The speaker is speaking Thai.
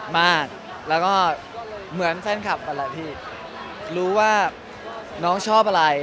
มากแล้วก็เหมือนแฟนคลับนั่นแหละพี่รู้ว่าน้องชอบอะไร